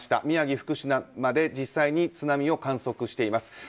宮城、福島で実際に津波を観測しています。